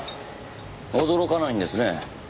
驚かないんですね。